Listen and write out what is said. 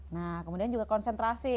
nah kemudian juga konsentrasi